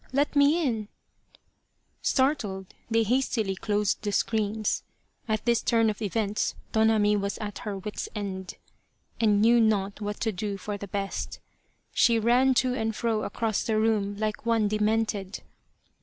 Let me in !" Startled, they hastily closed the screens. At this turn of events Tonami was at her wits' end, and knew not what to do for the best. She ran to and fro across the room like one demented.